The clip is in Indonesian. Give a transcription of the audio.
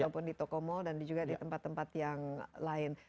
ataupun di toko mal dan juga di tempat tempat yang lain